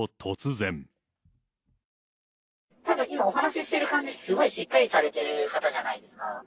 今、お話ししてる感じ、すごいしっかりされてる方じゃないですか。